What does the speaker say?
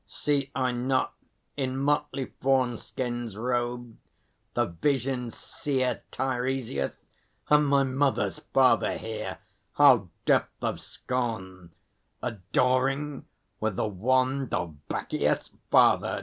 See I not In motley fawn skins robed the vision seer Teiresias? And my mother's father here O depth of scorn! adoring with the wand Of Bacchios? Father!